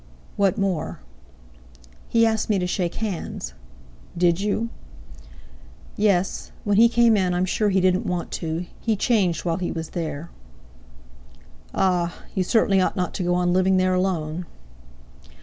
"What more?" "He asked me to shake hands." "Did you?" "Yes. When he came in I'm sure he didn't want to; he changed while he was there." "Ah! you certainly ought not to go on living there alone."